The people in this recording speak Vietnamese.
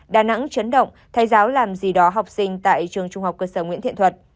đà nẵng chấn động thầy giáo làm gì đó học sinh tại trường trung học cơ sở nguyễn thiện thuật